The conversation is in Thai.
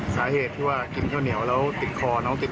สาเหตุที่ว่ากินข้าวเหนียวแล้วติดคอน้องติด